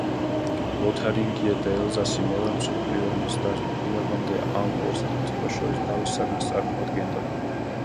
ლოთარინგია და ელზასი მეორე მსოფლიო ომის დასრულებამდე ამ ორ სახელმწიფოს შორის დავის საგანს წარმოადგენდა.